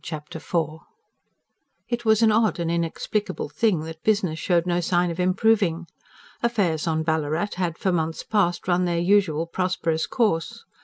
Chapter IV It was an odd and inexplicable thing that business showed no sign of improving. Affairs on Ballarat had, for months past, run their usual prosperous course.